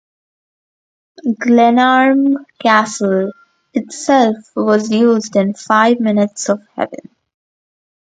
Glenarm Castle itself was used in "Five Minutes of Heaven".